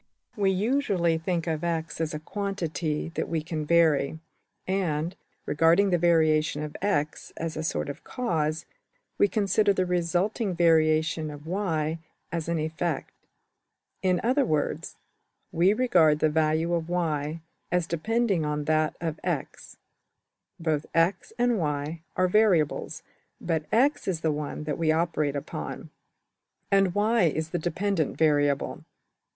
We usually think of $x$ as a quantity that we can vary; and, regarding the variation of~$x$ as a sort of \emph{cause}, we consider the resulting variation of~$y$ as an \emph{effect}. In other words, we regard the value of~$y$ as depending on that of~$x$. Both $x$~and~$y$ are variables, but $x$ is the one that we operate upon, and $y$~is the ``dependent variable.''